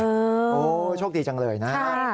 โอ้โหโชคดีจังเลยนะฮะ